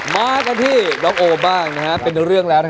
มากันที่น้องโอบ้างเป็นเรื่องแล้ว